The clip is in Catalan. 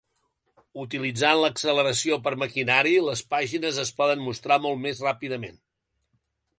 Utilitzant acceleració per maquinari, les pàgines es poden mostrar molt més ràpidament.